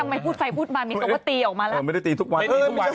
ทำไมพูดไฟพูดมามีคนว่าตีออกมาแล้วไม่ได้ตีทุกวันไม่ได้ตีทุกวัน